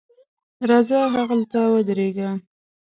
راځه هغلته ودرېږه.